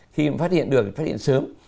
khi mà phát hiện được thì phát hiện sớm